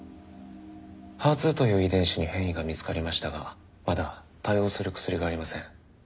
ＨＥＲ２という遺伝子に変異が見つかりましたがまだ対応する薬がありません。